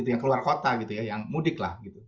yang keluar kota yang mudik lah